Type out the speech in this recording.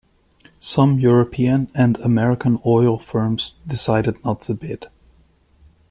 Some European and American oil firms decided not to bid.